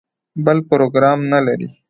بل پروګرام نه لري.